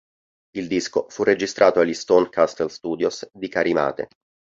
Il disco fu registrato agli Stone Castle Studios di Carimate.